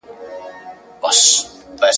چي تر څو دا جهالت وي چي تر څو همدغه قام وي ..